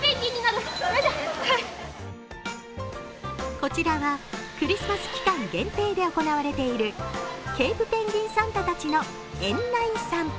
こちらは、クリスマス期間限定で行われているケープペンギンサンタたちの園内散歩。